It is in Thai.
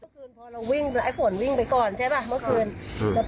เพราะตอนที่เขาล้มนมันเจ็บหาแผลเหมือนขมมั่งเลย